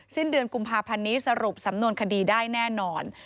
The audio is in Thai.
สิ้นเดือนกุมภาพันธ์นี้สรุปสำนวนคดีได้แน่นอน